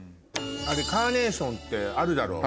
『カーネーション』ってあるだろ？